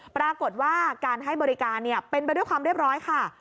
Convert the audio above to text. ปรากฏว่าการให้บริการเป็นไปด้วยความเรียบร้อยค่ะ